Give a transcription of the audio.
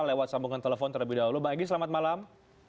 lewat sambungan telepon terlebih dahulu bang egy selamat malam